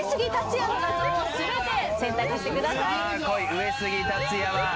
上杉達也は。